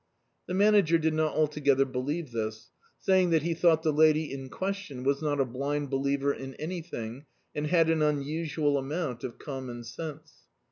The Manager did not altogether believe this, saying that he thou^t the lady in question was not a blind be* licver in anything, and had an unusual amount of ccHnmon sense.